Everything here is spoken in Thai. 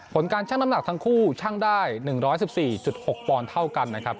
ผลการช่างน้ำหนักทั้งคู่ช่างได้หนึ่งร้อยสิบสี่จุดหกปอนเท่ากันนะครับ